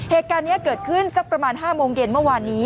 เหตุการณ์นี้เกิดขึ้นสักประมาณ๕โมงเย็นเมื่อวานนี้